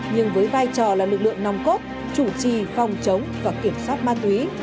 nhưng với vai trò là lực lượng nòng cốt chủ trì phòng chống và kiểm soát ma túy